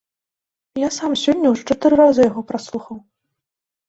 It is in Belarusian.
Я сам сёння ўжо чатыры разы яго праслухаў.